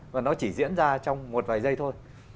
và nó chỉ diễn ra trong một vài giây thôi